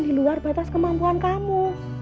di luar batas kemampuan kamu